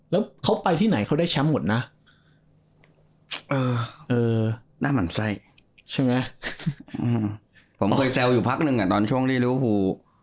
แล้วเขาไปที่ไหนเขาได้แชมป์หมดนะหน้าหมั่นไส้ใช่ไหมผมเคยแซวอยู่พักหนึ่งอ่ะตอนช่วงที่ลิวภู